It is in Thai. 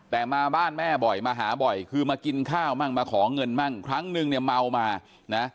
แต่มาบ้านแม่บ่อยมาหาบ่อยคือมากินข้าวมั่งมาขอเงินมั่งครั้งนึงเนี่ยเมามานะ